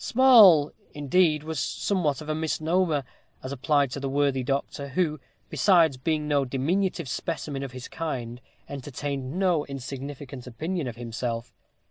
Small, indeed, was somewhat of a misnomer, as applied to the worthy doctor, who, besides being no diminutive specimen of his kind, entertained no insignificant opinion of himself.